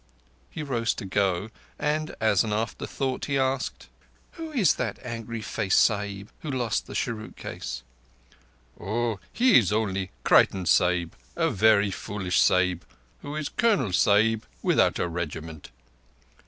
He rose to go, and as an afterthought asked: "Who is that angry faced Sahib who lost the cheroot case?" "Oh, he is only Creighton Sahib—a very foolish Sahib, who is a Colonel Sahib without a regiment."